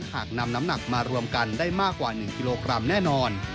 หากนำน้ำหนักมารวมกันได้มากกว่า๑กิโลกรัมแน่นอน